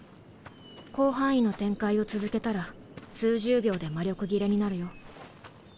広範囲の展開を続けたら数十秒で魔力切れになるよ。